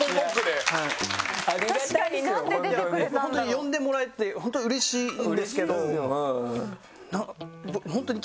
呼んでもらえて本当にうれしいんですけど。